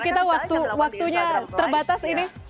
kita waktunya terbatas ini